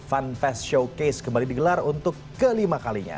fanfest showcase kembali digelar untuk kelima kalinya